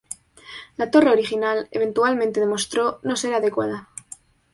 La torre original, eventualmente demostró no ser adecuada.